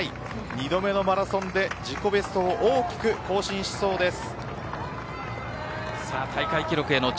２回目のマラソンで自己ベストを大きく更新しそうです。